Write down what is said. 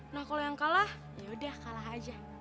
nah kalau yang kalah yaudah kalah aja